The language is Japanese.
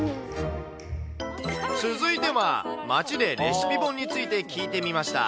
続いては、街でレシピ本について聞いてみました。